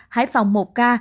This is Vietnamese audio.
hải phòng một ca